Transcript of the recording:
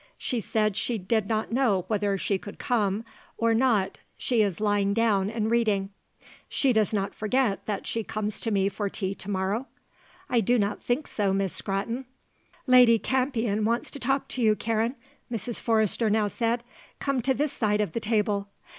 "She said she did not know whether she would come or not. She is lying down and reading." "She does not forget that she comes to me for tea to morrow?" "I do not think so, Miss Scrotton." "Lady Campion wants to talk to you, Karen," Mrs. Forrester now said; "come to this side of the table."